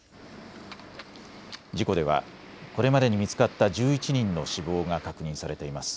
事故ではこれまでに見つかった１１人の死亡が確認されています。